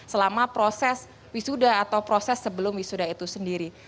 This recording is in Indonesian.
selama proses wisuda atau proses sebelum wisuda itu sendiri